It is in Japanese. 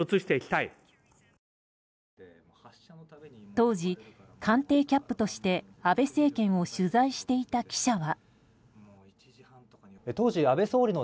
当時、官邸キャップとして安倍政権を取材していた記者は。